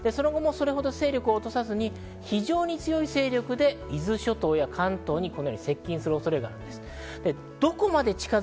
勢力を落とさずに非常に強い勢力で伊豆諸島や関東に接近する恐れがあります。